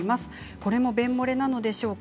これも便もれなのでしょうか？